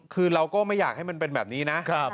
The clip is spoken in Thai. คือเราก็ไม่อยากให้มันเป็นแบบนี้นะ